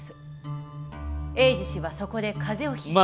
栄治氏はそこで風邪をひい。